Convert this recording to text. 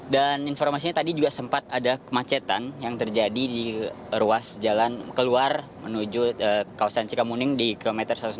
dan informasinya tadi juga sempat ada kemacetan yang terjadi di ruas jalan keluar menuju kawasan cikamuning di kilometer satu ratus enam belas